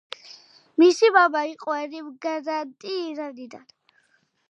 მისი მამა იყო ემიგრანტი ირანიდან.